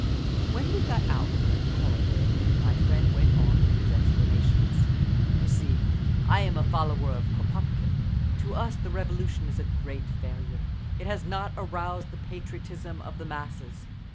When we got out into the corridor again my friend went on with his explanations. "You see, I'm a follower of Kropotkin. To us the Revolution is a great failure; it has not aroused the patriotism of the masses.